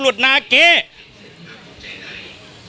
สวัสดีครับ